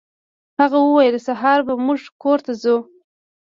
هغه وویل سهار به زموږ کور ته ځو.